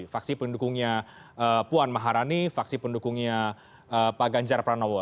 vaksi pendukungnya puan maharani vaksi pendukungnya pak ganjar pranowo